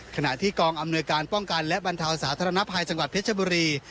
ขณะที่กองอำนวยการป้องกันและบรรเทาสาธารณภัยจังหวัดเพชรบุรี